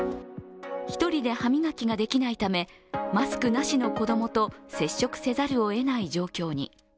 １人で歯磨きができないためマスクなしの子供と接触せざるをえない状況に。